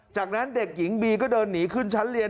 จากนั้นเด็กหญิงบีก็เดินหนีขึ้นชั้นเรียน